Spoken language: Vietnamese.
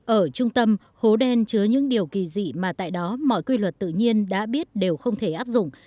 ở trung tâm hố đen chứa những điều kỳ dị mà tại đó mọi quy luật tự nhiên đã biết đều không thể áp dụng